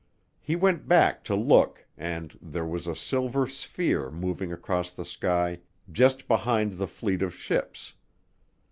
He went back to look and there was a silver sphere moving across the sky just behind the fleet of ships.